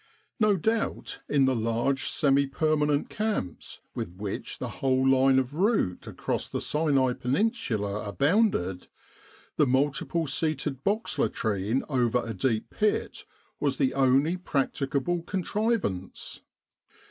No doubt, in the large semi permanent camps with which the whole line of route across the Sinai Peninsula abounded, the multiple seated box latrine over a deep pit was the only practicable contrivance.